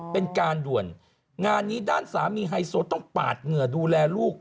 เป็นการด่วนงานนี้ด้านสามีไฮโซต้องปาดเหงื่อดูแลลูก